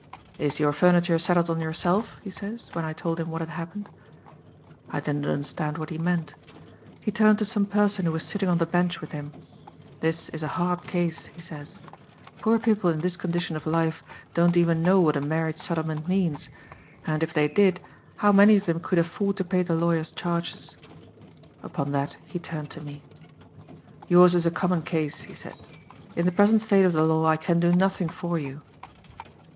_ "'Is your furniture settled on yourself?' he says, when I told him what had happened. "I didn't understand what he meant. He turned to some person who was sitting on the bench with him. 'This is a hard case,' he says. 'Poor people in this condition of life don't even know what a marriage settlement means. And, if they did, how many of them could afford to pay the lawyer's charges?' Upon that he turned to me. 'Yours is a common case,' he said. 'In the present state of the law I can do nothing for you.